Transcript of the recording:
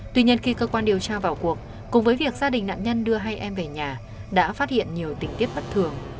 tuy nhiên khi cơ quan điều tra vào cuộc cùng với việc gia đình nạn nhân đưa hai em về nhà đã phát hiện nhiều tình tiết bất thường